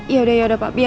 yaudah yaudah pak